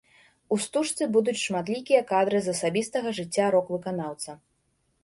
У стужцы будуць шматлікія кадры з асабістага жыцця рок-выканаўца.